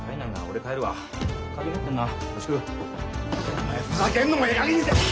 お前ふざけんのもええかげんに。